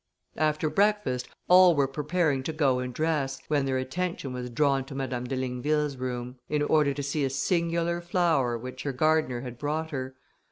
After breakfast, all were preparing to go and dress, when their attention was drawn to Madame de Ligneville's room, in order to see a singular flower, which her gardener had brought her.